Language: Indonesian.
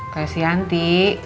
kayak si yanti